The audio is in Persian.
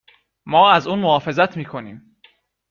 ما ازاون محافظت میکنیم